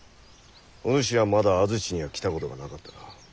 お主はまだ安土には来たことがなかったな。